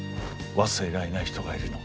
「忘れられない人がいるの」。